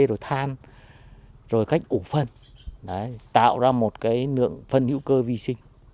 rồi than rồi cách ổ phân tạo ra một nguồn phân hữu cơ vi sinh